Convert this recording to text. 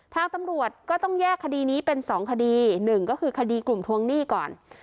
ทางตำรวจก็ต้องแยกคดีนี้เป็น๒คดีหนึ่งก็คือคดีกลุ่มทวงหนี้ก่อน